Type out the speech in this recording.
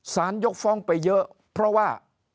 ยกฟ้องไปเยอะเพราะว่า